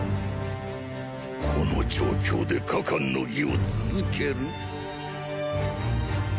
この状況で加冠の儀を続ける⁉